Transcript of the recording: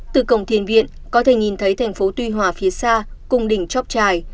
từ cổng thiền viện có thể nhìn thấy thành phố tuy hòa phía xa cùng đỉnh chóc trài